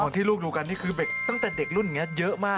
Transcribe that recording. ของที่ลูกดูกันที่คือตั้งแต่เด็กรุ่นเยอะมากเลยครับ